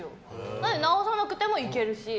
なので直さなくてもいけるし。